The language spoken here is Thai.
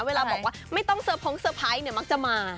เวลาบอกว่าไม่ต้องเซอร์พงเซอร์ไพรส์เนี่ยมักจะมา